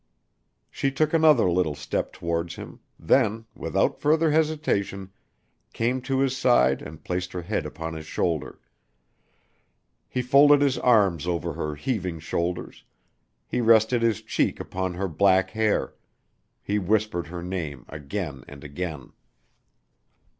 She took another little step towards him, then, without further hesitation, came to his side and placed her head upon his shoulder. He folded his arms over her heaving shoulders he rested his cheek upon her black hair he whispered her name again and again.